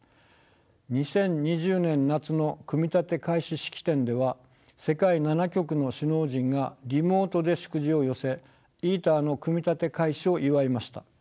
２０２０年夏の組立開始式典では世界７極の首脳陣がリモートで祝辞を寄せＩＴＥＲの組み立て開始を祝いました。